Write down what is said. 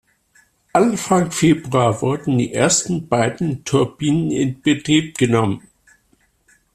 Anfang Februar wurden die ersten beiden Turbinen in Betrieb genommen.